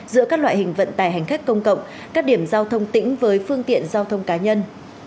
giữa các loại hình vận tải hành khách công cộng các điểm giao thông tỉnh với phương tiện giao thông cá nhân